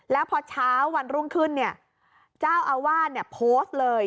แล้วพอเช้าวันรุ่งขึ้นเนี่ยเจ้าอาวาสโพสต์เลย